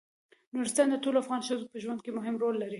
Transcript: نورستان د ټولو افغان ښځو په ژوند کې مهم رول لري.